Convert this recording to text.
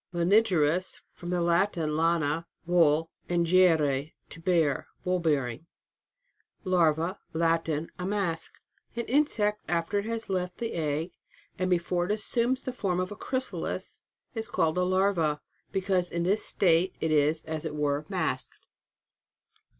LANIGEROUS. From the Latin, lana, wool, and gerere, to bear. Wool bearing. LARVA. Latin. A mask. An insect * after it has left the egg, and before it assumes the form of a crysa'is, is called a larva, because in this state it is, as it were, masked.